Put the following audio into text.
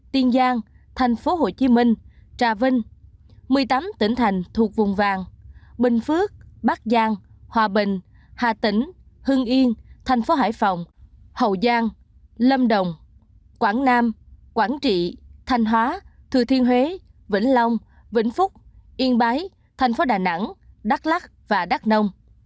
tuyên giang thành phố hồ chí minh trà vinh một mươi tám tỉnh thành thuộc vùng vàng bình phước bắc giang hòa bình hà tỉnh hưng yên thành phố hải phòng hậu giang lâm đồng quảng nam quảng trị thanh hóa thừa thiên huế vĩnh long vĩnh phúc yên bái thành phố đà nẵng đắk lắc và đắk nông